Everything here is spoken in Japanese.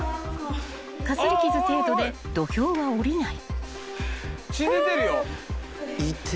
［かすり傷程度で土俵は下りない］